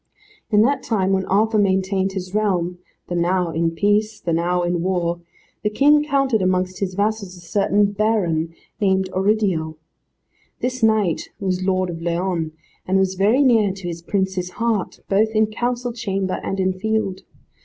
In that time when Arthur maintained his realm, the now in peace, the now in war, the King counted amongst his vassals a certain baron, named Oridial. This knight was lord of Leon, and was very near to his prince's heart, both in council chamber and in field.